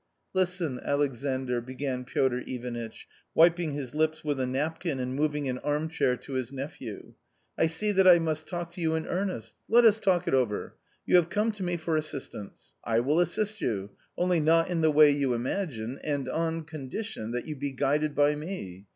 "Listen, Alexandr?" began Piotr Ivanitch, wiping his lips with a napkin and moving an armchair to his nephew. " I see that I must talk to you in earnest. Let us talk it over. You have come to me for assistance ; I will assist you, only not in the way you imagine, and on condition — that you be guided by me.